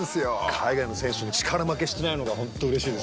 海外の選手に力負けしてないのが本当うれしいですよね。